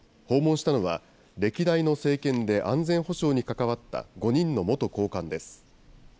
訪問したのは、歴代の政権で安全保障に関わった５人の元高官です。